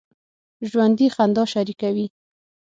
ژوندي خندا شریکه وي